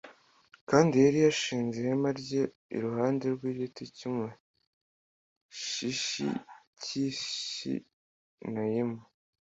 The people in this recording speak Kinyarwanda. kandi yari yarashinze ihema rye iruhande rw'igiti cy'umushishi cy'i sanayimu